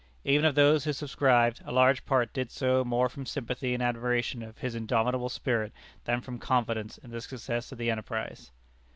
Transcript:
Even of those who subscribed, a large part did so more from sympathy and admiration of his indomitable spirit than from confidence in the success of the enterprise.